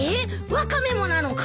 ワカメもなのか！？